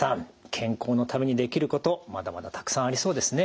健康のためにできることまだまだたくさんありそうですね。